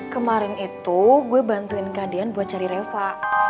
kemarin itu gue bantuin ke deyan buat cari reva